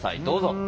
どうぞ。